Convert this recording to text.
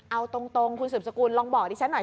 เอาตรงคุณสืบสกุลลองบอกดิฉันหน่อย